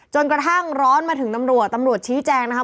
กระทั่งร้อนมาถึงตำรวจตำรวจชี้แจงนะคะ